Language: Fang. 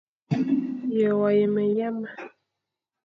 Ye wa yeme yame.